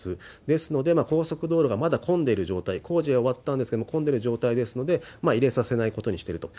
ですので、高速道路がまだ混んでる状態、工事は終わったんですけど、混んでる状態ですので、入れさせないことにしていると。